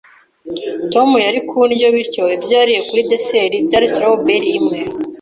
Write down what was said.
Tom yari ku ndyo, bityo ibyo yariye kuri dessert byari strawberry imwe.